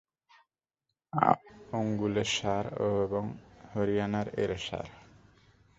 অঙ্গুলের ষাঁড় এবং হরিয়ানার এঁড়ে ষাঁড়!